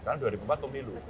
karena dua ribu empat pemilu